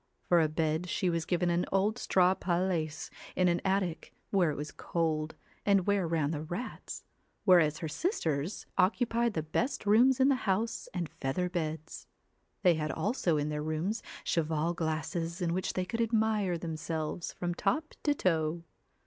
For a bed she was given an old straw paillasse in an attic, where it was cold, and where ran the rats, whereas her sisters occupied the best 23 CINDER, rooms in the house and feather beds. They had ELLA also in their rooms cheval glasses in which they could admire themselves from top to toe.